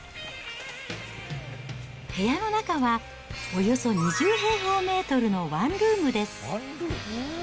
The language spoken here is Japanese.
部屋の中は、およそ２０平方メートルのワンルームです。